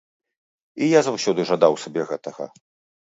І я заўсёды жадаў сабе гэтага.